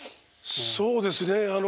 そうですね。